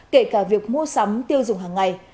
kể cả việc mua sắm tiêu dùng hàng ngày